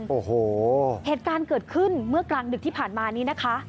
โอ้โหเหตุการณ์เกิดขึ้นเมื่อกลางดึกที่ผ่านมานี้นะคะ